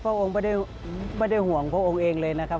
พระองค์ไม่ได้ห่วงพระองค์เองเลยนะครับ